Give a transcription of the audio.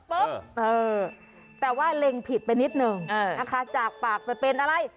เออแต่ว่าเล็งผิดไปนิดนึงนะคะจากปากจะเป็นอะไร